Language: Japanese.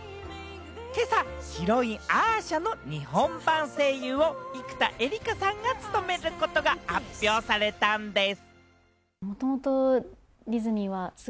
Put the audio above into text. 今朝、ヒロイン・アーシャの日本版声優を生田絵梨花さんが務めることが発表されたんです。